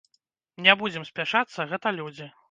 Не будзем спяшацца, гэта людзі.